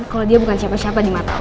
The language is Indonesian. kalau dia bukan siapa siapa di mata